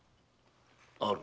ある。